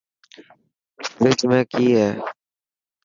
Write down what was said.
فريج ۾ ڪئي هي.